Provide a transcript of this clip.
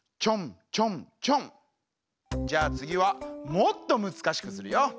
じゃあつぎはもっとむずかしくするよ。